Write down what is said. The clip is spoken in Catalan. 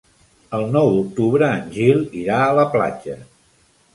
El nou d'octubre en Gil irà a la platja.